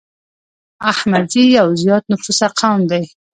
احمدزي يو زيات نفوسه قوم دی